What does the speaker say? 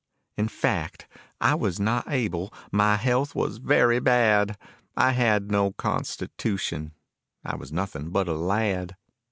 In fact I was not able, my health was very bad, I had no constitution, I was nothing but a lad.